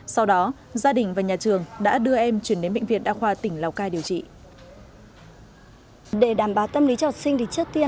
sau đó gia đình và nhà trường đã đưa em chuyển đến bệnh viện đa khoa tp đà lạt